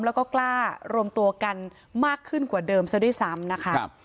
แล้วก็กล้ารวมตัวกันมากขึ้นกว่าเดิมซะด้วยซ้ำนะคะ